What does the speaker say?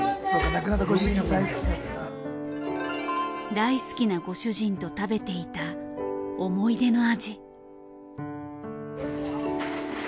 大好きなご主人と食べていた思い出の味。